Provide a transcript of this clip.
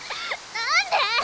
何で！